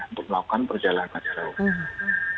untuk melakukan perjalanan jauh